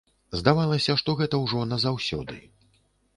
Здавалася, што гэта ўжо назаўсёды.